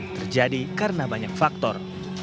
terjadi karena banyak faktor